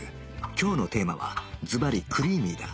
今日のテーマはずばり「クリーミー」だ